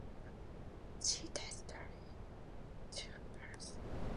She dies during childbirth.